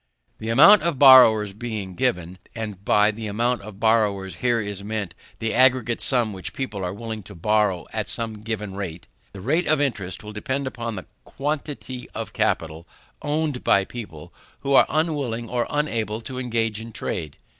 The amount of borrowers being given, (and by the amount of borrowers is here meant the aggregate sum which people are willing to borrow at some given rate,) the rate of interest will depend upon the quantity of capital owned by people who are unwilling or unable to engage in trade.